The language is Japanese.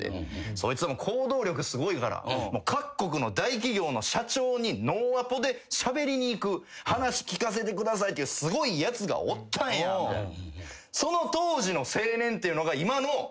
「そいつは行動力すごいから各国の大企業の社長にノーアポでしゃべりに行く話聞かせてくださいっていうすごいやつがおったんや」みたいな。